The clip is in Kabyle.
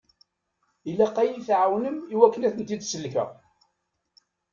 Ilaq ad yi-tɛawnem i wakken ad ten-id-sellkeɣ.